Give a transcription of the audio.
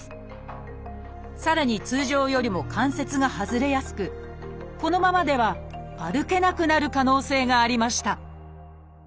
さらに通常よりも関節が外れやすくこのままでは歩けなくなる可能性がありました